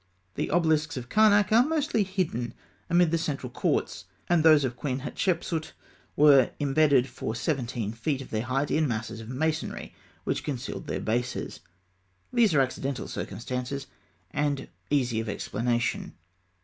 The obelisks of Karnak are mostly hidden amid the central courts; and those of Queen Hatshepsut were imbedded for seventeen feet of their height in masses of masonry which concealed their bases. These are accidental circumstances, and easy of explanation.